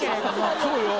そうよ。